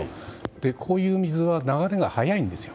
こういう水は流れが速いんですよ。